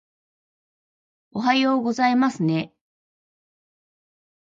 おはようございますねー